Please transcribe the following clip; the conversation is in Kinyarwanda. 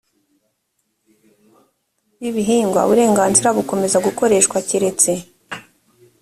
y ibihingwa uburenganzira bukomeza gukoreshwa keretse